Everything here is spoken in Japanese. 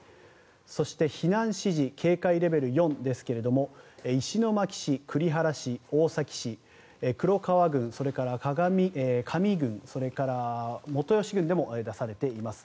そして、避難指示警戒レベル４ですが石巻市、栗原市、大崎市黒川郡、それから加美郡それから本吉郡でも出されています。